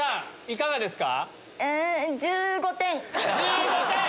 いかがですか？